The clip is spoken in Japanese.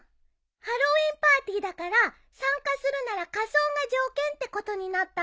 ハロウィーンパーティーだから参加するなら仮装が条件ってことになったの。